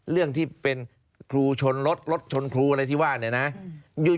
เรื่องที่เป็นครูชนรถรถชนครูอะไรที่ว่าเนี่ยนะ